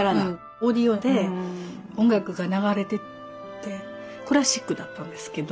オーディオで音楽が流れててクラシックだったんですけど。